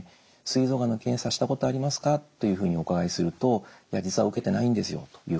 「すい臓がんの検査したことありますか？」というふうにお伺いすると「いや実は受けてないんですよ」という方がいらっしゃるわけですね。